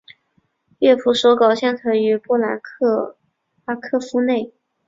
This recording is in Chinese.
乐谱手稿现存于波兰克拉科夫内。